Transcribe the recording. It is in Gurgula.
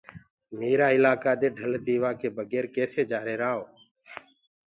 ميرآ الآڪآ دي ڍل ديوآڪي بگير ڪيسي جآهيرآئو پڇي